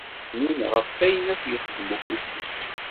D aḥnin ɣef wayen akk yexdem ufus-is.